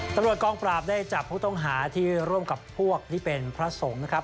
ตำรวจกองปราบได้จับผู้ต้องหาที่ร่วมกับพวกที่เป็นพระสงฆ์นะครับ